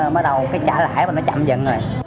mới trả lãi mà nó chậm dận rồi